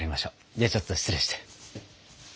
ではちょっと失礼して。